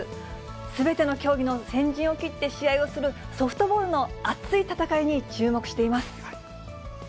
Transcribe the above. すべての競技の先陣を切って試合をする、ソフトボールの熱い戦いに注目しています。